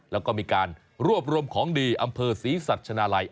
แล้วก็มีการรวบรวมของดีอำเภอศรีสัชนาลัย